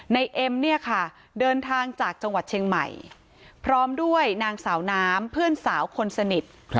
เอ็มเนี่ยค่ะเดินทางจากจังหวัดเชียงใหม่พร้อมด้วยนางสาวน้ำเพื่อนสาวคนสนิท